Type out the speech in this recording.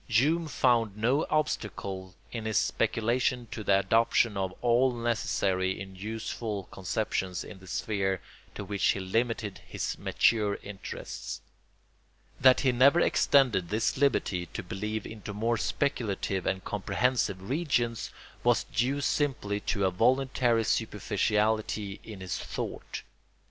Hume found no obstacle in his speculations to the adoption of all necessary and useful conceptions in the sphere to which he limited his mature interests. That he never extended this liberty to believe into more speculative and comprehensive regions was due simply to a voluntary superficiality in his thought.